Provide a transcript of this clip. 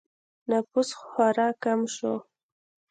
نفوس خورا کم شو